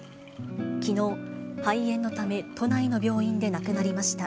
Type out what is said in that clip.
きのう、肺炎のため都内の病院で亡くなりました。